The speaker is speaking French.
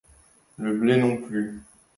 Le blé non plus.